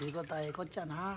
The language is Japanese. こっちゃな。